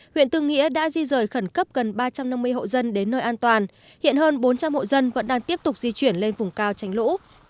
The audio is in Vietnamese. huyện tư nghĩa đã di rời khẩn cấp gần ba trăm năm mươi hộ dân đến nơi an toàn hiện hơn bốn trăm linh hộ dân vẫn đang tiếp tục di chuyển lên vùng cao tránh lũ